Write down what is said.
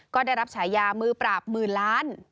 ก็ได้รับฉายามือปราบหมื่นล้าน